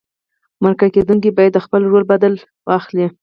مرکه کېدونکی باید د خپل رول بدل واخلي.